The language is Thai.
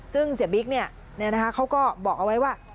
ซึ่งเสียบิ๊กเขาก็บอกเอาไว้ว่า